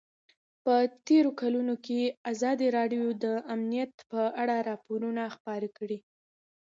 په تېرو کلونو کې ازادي راډیو د امنیت په اړه راپورونه خپاره کړي دي.